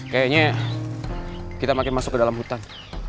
kayaknya kita makin masuk ke dalam hutan